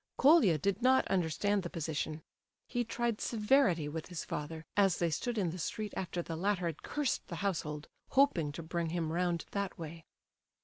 Colia did not understand the position. He tried severity with his father, as they stood in the street after the latter had cursed the household, hoping to bring him round that way.